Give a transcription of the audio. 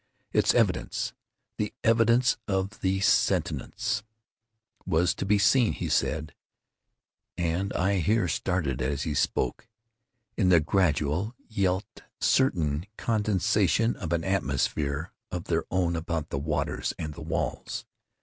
Its evidence—the evidence of the sentience—was to be seen, he said, (and I here started as he spoke,) in the gradual yet certain condensation of an atmosphere of their own about the waters and the walls.